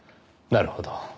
なるほど。